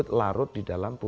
tari ini di itu